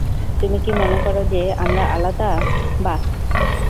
তুমি কি মনে করো যে, আমরা আলাদা, বায?